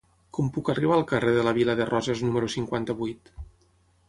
Com puc arribar al carrer de la Vila de Roses número cinquanta-vuit?